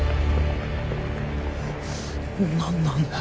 何なんだよ